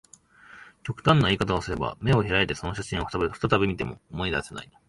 極端な言い方をすれば、眼を開いてその写真を再び見ても、思い出せない